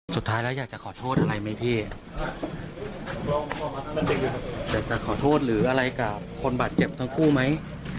สุดท้ายแล้วอยากจะขอโทษอะไรไหมพี่อยากจะขอโทษหรืออะไรกับคนบาดเจ็บทั้งคู่ไหม